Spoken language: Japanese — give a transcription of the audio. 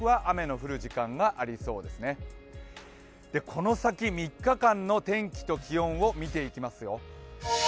この先３日間の天気と気温を見ていきますよ。